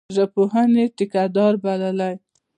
ژبپوهني ټیکه دار بللی.